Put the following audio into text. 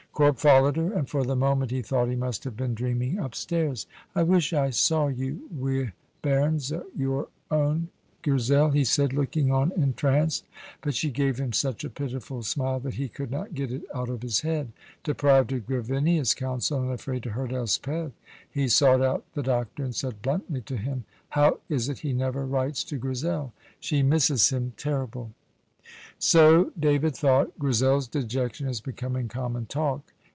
Corp followed her, and for the moment he thought he must have been dreaming upstairs. "I wish I saw you wi' bairns o' your ain, Grizel," he said, looking on entranced; but she gave him such a pitiful smile that he could not get it out of his head. Deprived of Gavinia's counsel, and afraid to hurt Elspeth, he sought out the doctor and said bluntly to him, "How is it he never writes to Grizel? She misses him terrible." "So," David thought, "Grizel's dejection is becoming common talk."